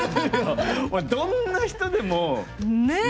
どんな人でもね。